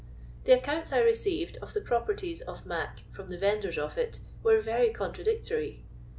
The accounts I received of the properties of "mac" from the vendors of it, were very con tradictory.